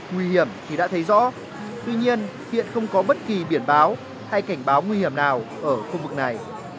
nguy hiểm thì đã thấy rõ tuy nhiên hiện không có bất kỳ biển báo hay cảnh báo nguy hiểm nào ở khu vực này